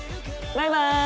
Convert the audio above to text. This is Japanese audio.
バイバイ！